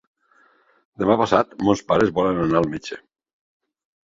Demà passat mons pares volen anar al metge.